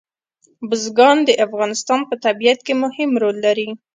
بزګان د افغانستان په طبیعت کې مهم رول لري.